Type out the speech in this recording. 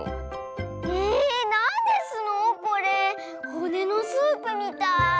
ほねのスープみたい。